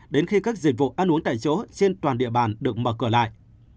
đến khi các dịch vụ ăn uống tại chỗ trên toàn địa bàn được mở cửa lại